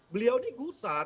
beliau ini gusar